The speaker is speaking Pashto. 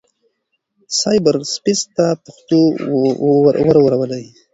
سايبر سپېس ته پښتو ورولئ.